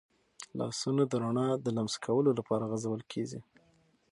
لاسونه د رڼا د لمس کولو لپاره غځول کېږي.